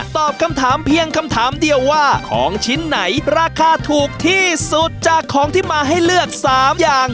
ตอบคำถามเพียงคำถามเดียวว่าของชิ้นไหนราคาถูกที่สุดจากของที่มาให้เลือก๓อย่าง